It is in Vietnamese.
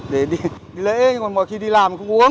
để đi lễ còn mọi khi đi làm cũng mua